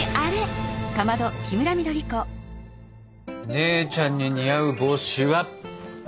姉ちゃんに似合う帽子はこっちかな？